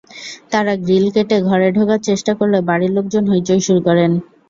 তারা গ্রিল কেটে ঘরে ঢোকার চেষ্টা করলে বাড়ির লোকজন হইচই শুরু করেন।